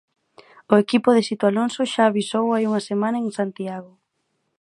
O equipo de Sito Alonso xa avisou hai unha semana en Santiago.